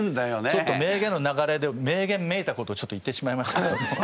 ちょっと名言の流れで名言めいたことをちょっと言ってしまいましたけども。